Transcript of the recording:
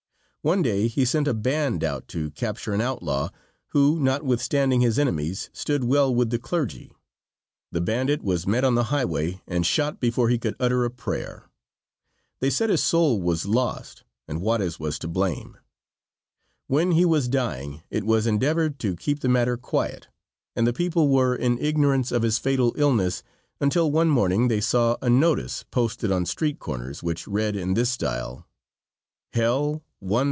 One day he sent a band out to capture an outlaw, who, notwithstanding his enemies, stood well with the clergy. The bandit was met on the highway and shot before he could utter a prayer. They said his soul was lost, and Juarez was to blame. When he was dying it was endeavored to keep the matter quiet, and the people were in ignorance of his fatal illness until one morning they saw a notice posted on street corners, which read in this style: "Hell, 1.30.